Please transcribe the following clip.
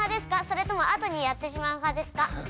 それとも後にやってしまうはですか？